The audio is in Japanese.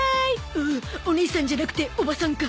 おおおねいさんじゃなくておばさんか